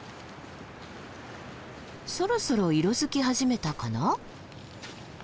そろそろ色づき始めたかな？